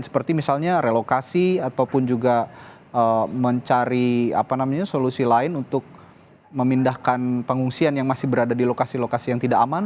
seperti misalnya relokasi ataupun juga mencari solusi lain untuk memindahkan pengungsian yang masih berada di lokasi lokasi yang tidak aman